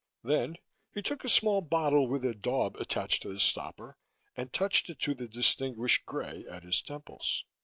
Then he took a small bottle with a daub attached to the stopper and touched it to the distinguished gray at his temples.